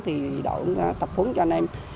thì đội cũng tập huấn cho anh em